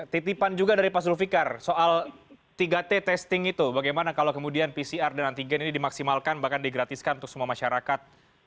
titipan juga dari pak zulfikar soal tiga t testing itu bagaimana kalau kemudian pcr dan antigen ini dimaksimalkan bahkan digratiskan untuk semua masyarakat